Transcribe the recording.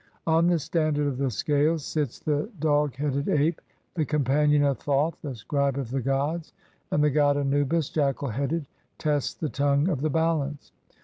On the standard of the scales sits the dog headed ape, the companion of Thoth, the scribe of the gods ; and the god Anubis, jackal headed, tests the tongue of the balance.